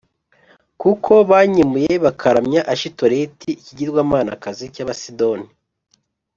kuko banyimūye bakaramya Ashitoreti ikigirwamanakazi cy’Abasidoni